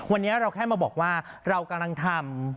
วันนี้เราแค่มาบอกว่าเรากำลังทำ